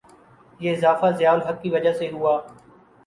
یہ اضافہ ضیاء الحق کی وجہ سے ہوا؟